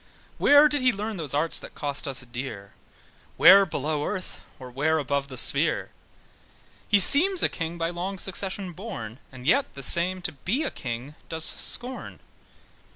Where did he learn those arts that cost us dear? Where below earth, or where above the sphere? He seems a king by long succession born, And yet the same to be a king does scorn.